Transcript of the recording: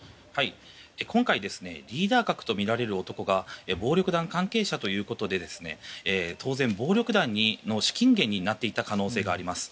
今回リーダー格とみられる男が暴力団関係者ということで当然、暴力団の資金源になっていた可能性があります。